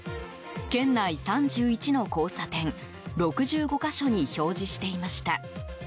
県内３１の交差点６５か所に表示していました。